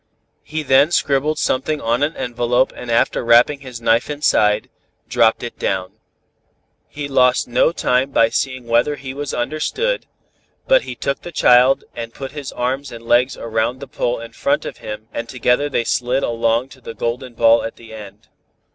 He then scribbled something on an envelope and after wrapping his knife inside, dropped it down. He lost no time by seeing whether he was understood, but he took the child and put his arms and legs about the pole in front of him and together they slid along to the golden ball at the end.